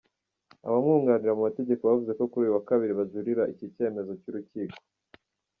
Abamwunganira mu mategeko bavuze ko kuri uyu wa kabiri bajuririra iki cyemezo cy'urukiko.